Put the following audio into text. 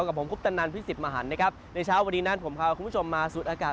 กับผมคุปตนันพิสิทธิ์มหันนะครับในเช้าวันนี้นั้นผมพาคุณผู้ชมมาสูดอากาศ